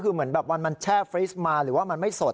เหมือนวันใส้หรือว่ามันไม่สด